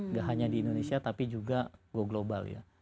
nggak hanya di indonesia tapi juga go global ya